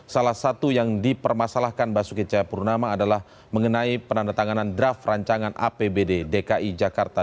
salah satu yang dipermasalahkan basuki cahayapurnama adalah mengenai penandatanganan draft rancangan apbd dki jakarta dua ribu tujuh belas